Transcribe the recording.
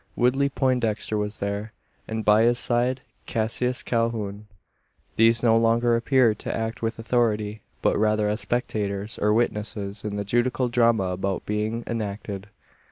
Woodley Poindexter was there, and by his side Cassius Calhoun. These no longer appeared to act with authority, but rather as spectators, or witnesses, in the judicial drama about being enacted.